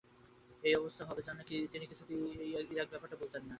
এমন অবস্থা হবে জানলে তিনি কিছুতেই ইরাকে ব্যাপারটা বলতেন না।